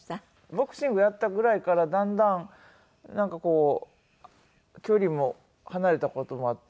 ボクシングやったぐらいからだんだんなんかこう距離も離れた事もあったり